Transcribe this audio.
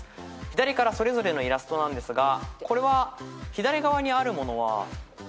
左からそれぞれのイラストなんですがこれは左側にあるものはＪＰさん何ですか？